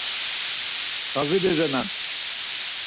Xaziri renan.